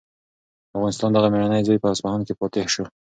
د افغانستان دغه مېړنی زوی په اصفهان کې فاتح شو.